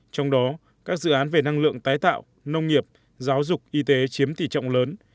trong đó các dự án về năng lượng tái tạo nông nghiệp giáo dục y tế chiếm tỷ trọng lớn